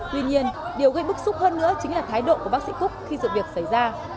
tuy nhiên điều gây bức xúc hơn nữa chính là thái độ của bác sĩ cúc khi sự việc xảy ra